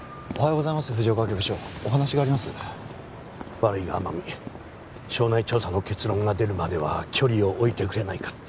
悪いが天海省内調査の結論が出るまでは距離を置いてくれないか